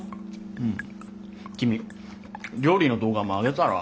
うん君料理の動画もあげたら？